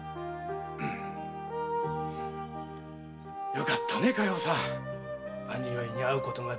よかったね佳代さん兄上に会うことができて。